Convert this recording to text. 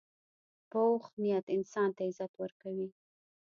پوخ نیت انسان ته عزت ورکوي